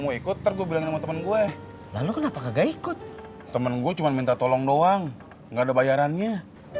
mau ikut tergubah temen gue lalu kenapa nggak ikut temen gue cuma minta tolong doang nggak bayarannya